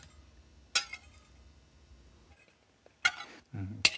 うん。